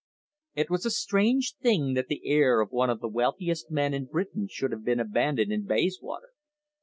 It was a strange thing that the heir of one of the wealthiest men in Britain should have been abandoned in Bayswater.